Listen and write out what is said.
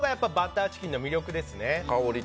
そこがバターチキンの魅力です。